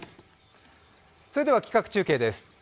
それでは企画中継です。